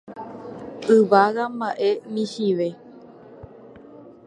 Yvága mba'e michĩve.